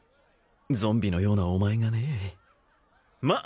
ゾンビのようなお前がねえまあ